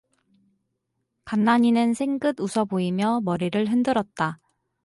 간난이는 생긋 웃어 보이며 머리를 흔들었다.